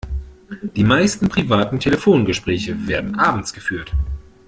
Die meisten privaten Telefongespräche werden abends geführt.